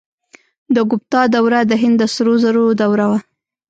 د ګوپتا دوره د هند د سرو زرو دوره وه.